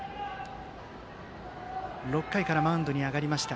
６回からマウンドに上がりました。